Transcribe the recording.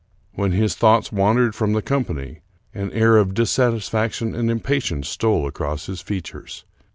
When his thoughts wandered from the company, an air of dissatis faction and impatience stole across his features.